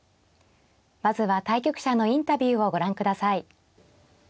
まずは対局者のインタビューをご覧ください。